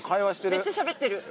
めっちゃしゃべってる。